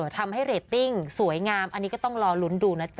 ทำให้เรตติ้งสวยงามอันนี้ก็ต้องรอลุ้นดูนะจ๊